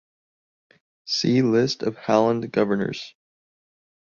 See List of Halland Governors.